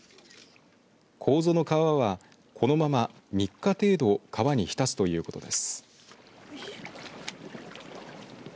こうぞの皮は、このまま３日程度川に浸すということです。